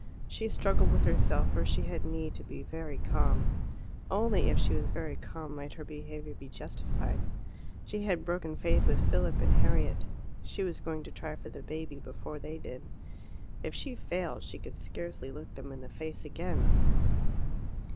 She struggled with herself, for she had need to be very calm; only if she was very calm might her behaviour be justified. She had broken faith with Philip and Harriet: she was going to try for the baby before they did. If she failed she could scarcely look them in the face again.